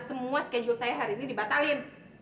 semua schedule saya hari ini dibatalin